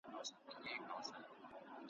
ارمان پوره سو د مُلا، مطرب له ښاره تللی `